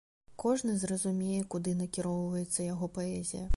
Кожны зразумее куды накіроўваецца яго паэзія.